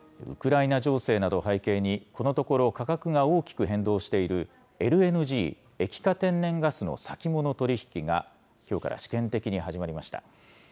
ウクライナ情勢などを背景に、このところ、価格が大きく変動しているＬＮＧ・液化天然ガスの先物取り引きがきょうから試験的に始まりました。